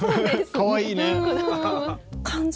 かわいいね。